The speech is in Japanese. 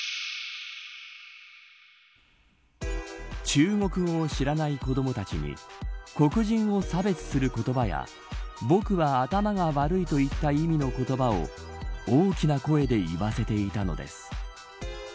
中国語を知らない子どもたちに黒人を差別する言葉や僕は頭が悪いといった意味の言葉を大きな声で言わせていたのです。